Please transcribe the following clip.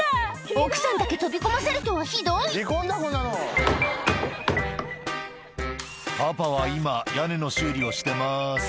奥さんだけ飛び込ませるとはひどい「パパは今屋根の修理をしてます」